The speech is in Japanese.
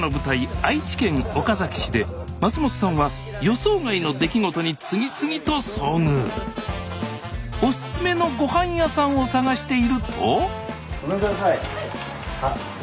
愛知県岡崎市で松本さんは予想外の出来事に次々と遭遇おすすめのごはん屋さんを探しているとごめんください。